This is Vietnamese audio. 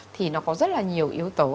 thì nó có rất là nhiều yếu tố